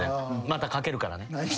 またかけるからね。